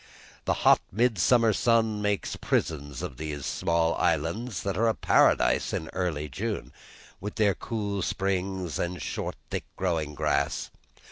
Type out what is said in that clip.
The hot midsummer sun makes prisons of these small islands that are a paradise in early June, with their cool springs and short thick growing grass.